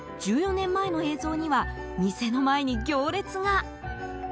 １４年前の映像には店の前に行列が。